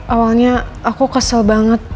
awalnya aku kesel banget